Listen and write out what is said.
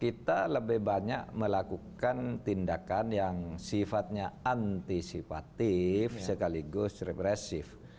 kita lebih banyak melakukan tindakan yang sifatnya antisipatif sekaligus represif